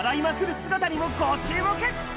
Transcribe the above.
姿にもご注目。